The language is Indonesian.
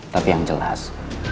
tapi yang jelas